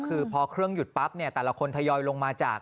คือพอเครื่องหยุดปั๊บเนี่ยแต่ละคนทยอยลงมาจาก